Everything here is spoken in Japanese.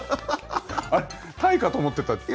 タイかと思ってた。